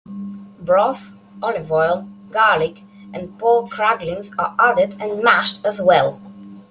Broth, olive oil, garlic, and pork cracklings are added and mashed as well.